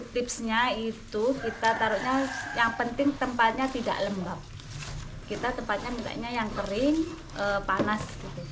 kita tempatnya yang kering panas